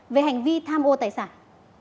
về hành vi tham ô tài sản